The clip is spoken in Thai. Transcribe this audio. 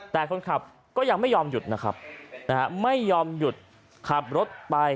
แต่คนขับก็ยังไม่ยอมหยุดนะครับนะฮะไม่ยอมหยุดขับรถไป